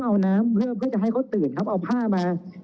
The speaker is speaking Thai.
แต่ถ้าดูประสบการณ์คือเป็นถึงผู้บังคับปัญชาในสถานีอย่างนี้ค่ะ